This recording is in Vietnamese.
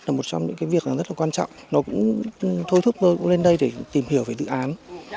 đó là một trong những cái việc rất là quan trọng nó cũng thôi thức tôi lên đây để tìm hiểu về dự án